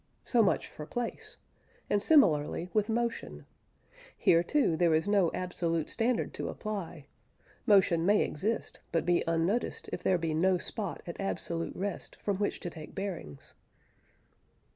So much for place; and similarly with motion. Here, too, there is no absolute standard to apply: motion may exist, but be unnoticed if there be no spot at absolute rest from which to take bearings.